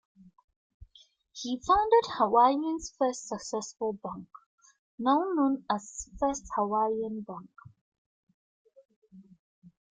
He founded Hawaii's first successful bank, now known as First Hawaiian Bank.